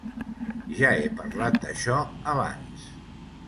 Ja he parlat d'això abans.